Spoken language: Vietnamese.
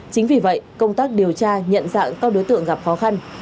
chính vì vậy công tác điều tra nhận dạng các đối tượng gặp khó khăn